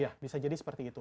ya bisa jadi seperti itu